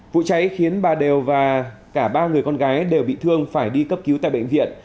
vụ cháy khiến bà đều và cả ba người con gái đều bị thương phải đi cấp cứu tại bệnh viện